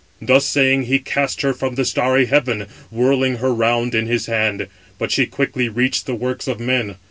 "Thus saying, he cast her from the starry heaven, whirling her round in his hand, but she quickly reached the works of men.